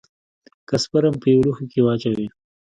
که سپرم په يوه لوښي کښې واچوې.